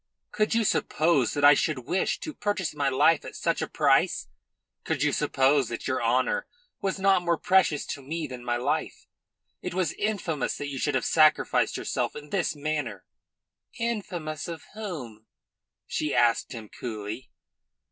"Could you suppose that I should wish to purchase my life at such a price? Could you suppose that your honour was not more precious to me than my life? It was infamous that you should have sacrificed yourself in this manner." "Infamous of whom?" she asked him coolly.